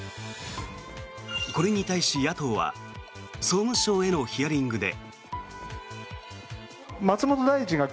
これに対し、野党は総務省へのヒアリングで。